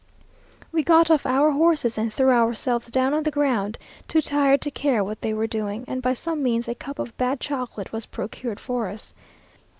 We got off our horses and threw ourselves down on the ground too tired to care what they were doing, and by some means a cup of bad chocolate was procured for us.